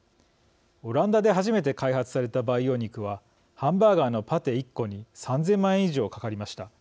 オランダで初めて開発された培養肉はハンバーガーのパティ１個に３０００万円以上かかりました。